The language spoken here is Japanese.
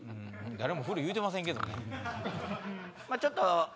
誰も古い言うてませんけどね。